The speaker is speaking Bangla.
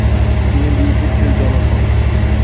তিনি দুই পুত্রের জনক হন।